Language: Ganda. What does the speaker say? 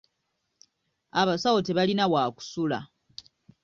Abasawo tebalina waakusula.